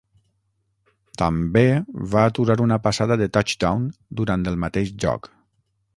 També va aturar una passada de touchdown durant el mateix joc.